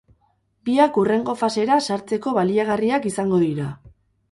Biak hurrengo fasera sartzeko baliagarriak izango dira.